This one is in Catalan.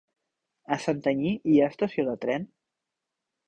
A Santanyí hi ha estació de tren?